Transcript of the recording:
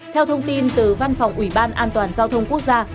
theo thông tin từ văn phòng ủy ban an toàn giao thông quốc gia